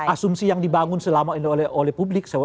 asumsi yang dibangun selama ini oleh publik